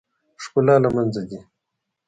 ښکلا له منځه ځي .